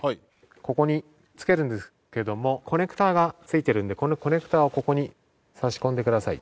ここにつけるんですけどもコネクターがついてるのでこのコネクターをここに差し込んでください。